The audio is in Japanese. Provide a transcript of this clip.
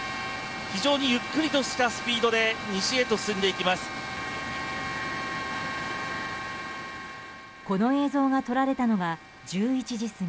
非常にゆっくりとしたスピードで西へと進んでいきます。